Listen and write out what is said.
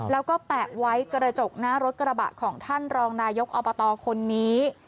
แล้วก็แปะไว้กระจกหน้ารถกระบะของท่านรองนายกอบตคนนี้